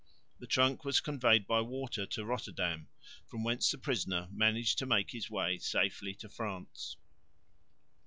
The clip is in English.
The trunk was conveyed by water to Rotterdam, from whence the prisoner managed to make his way safely to France.